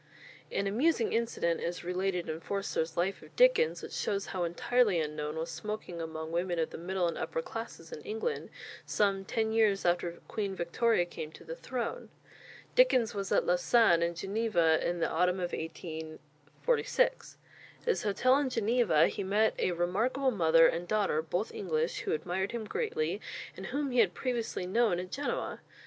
An amusing incident is related in Forster's "Life of Dickens," which shows how entirely unknown was smoking among women of the middle and upper classes in England some ten years after Queen Victoria came to the throne. Dickens was at Lausanne and Geneva in the autumn of 1846. At his hotel in Geneva he met a remarkable mother and daughter, both English, who admired him greatly, and whom he had previously known at Genoa.